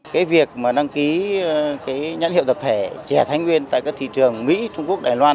cái việc mà đăng ký cái nhãn hiệu tập thể trẻ thanh nguyên tại các thị trường mỹ trung quốc đài loan